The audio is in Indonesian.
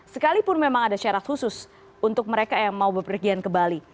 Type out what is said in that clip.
sekalipun memang ada syarat khusus untuk mereka yang mau berpergian ke bali